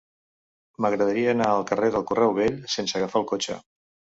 M'agradaria anar al carrer del Correu Vell sense agafar el cotxe.